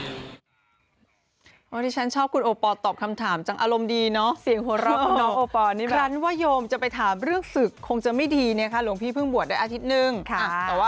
ตอนนี้ฉันชอบคุณโอปอตอบคำถามจังอารมณ์ดีเนอะ